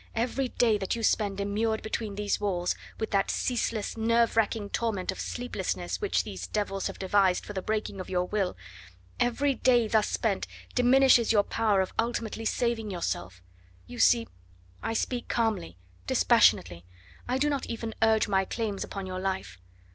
"Every day that you spend immured between these walls, with that ceaseless nerve racking torment of sleeplessness which these devils have devised for the breaking of your will every day thus spent diminishes your power of ultimately saving yourself. You see, I speak calmly dispassionately I do not even urge my claims upon your life.